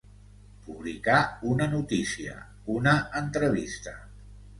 Publicar una notícia, una entrevista.